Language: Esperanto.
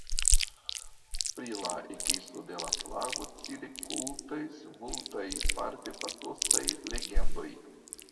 Pri la ekesto de la flago cirkultas multaj, parte patosaj legendoj.